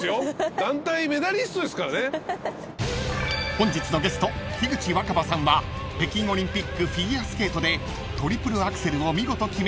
［本日のゲスト樋口新葉さんは北京オリンピックフィギュアスケートでトリプルアクセルを見事決め